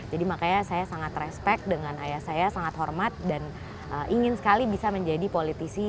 makanya saya sangat respect dengan ayah saya sangat hormat dan ingin sekali bisa menjadi politisi